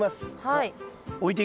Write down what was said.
はい。